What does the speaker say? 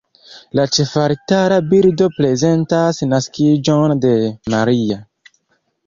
La ĉefaltara bildo prezentas Naskiĝon de Maria.